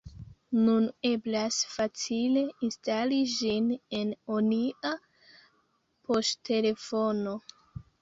nun eblas facile instali ĝin en onia poŝtelefono.